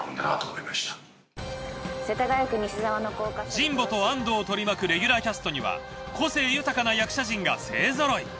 神保と安堂を取り巻くレギュラーキャストには個性豊かな役者陣が勢ぞろい。